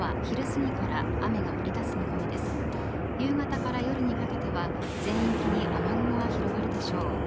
夕方から夜にかけては全域に雨雲が広がるでしょう。